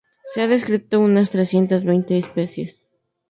Se ha descrito unas trescientas veinte especies.